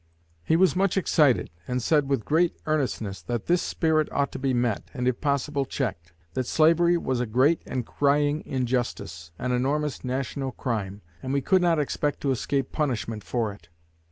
He was much excited, and said with great earnestness that this spirit ought to be met, and if possible checked; that slavery was a great and crying injustice, an enormous national crime, and we could not expect to escape punishment for it.